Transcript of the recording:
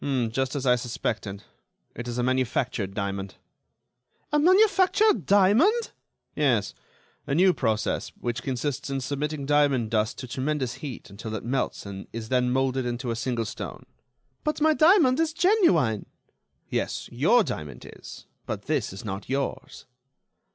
"Just as I suspected: it is a manufactured diamond." "A manufactured diamond?" "Yes; a new process which consists in submitting diamond dust to a tremendous heat until it melts and is then molded into a single stone." "But my diamond is genuine." "Yes, your diamond is; but this is not yours."